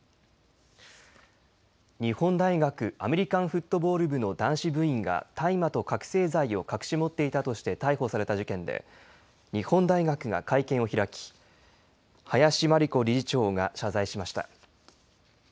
日本大学アメリカンフットボール部の男子部員が大麻と覚醒剤を隠し持っていたとして逮捕された事件で日本大学が会見を開き林真理子理事長が謝罪しました。